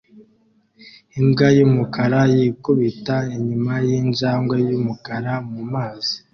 Imbwa yumukara yikubita inyuma yinjangwe yumukara mumazi